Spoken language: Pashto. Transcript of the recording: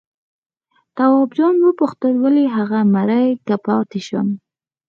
تواب وپوښتل ولې هغه مري که پاتې شم؟